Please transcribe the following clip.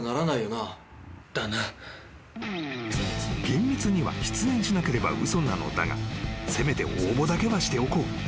［厳密には出演しなければ嘘なのだがせめて応募だけはしておこう。